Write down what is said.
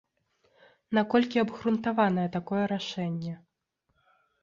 Наколькі абгрунтаванае такое рашэнне?